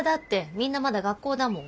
みんなまだ学校だもん。